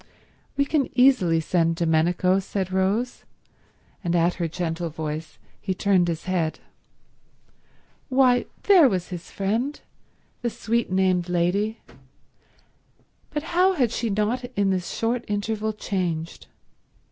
"We can easily send Domenico," said Rose; and at her gentle voice he turned his head. Why, there was his friend, the sweet named lady—but how had she not in this short interval changed!